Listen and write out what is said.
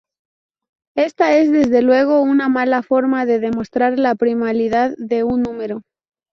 Esta es desde luego una mala forma de demostrar la primalidad de un número.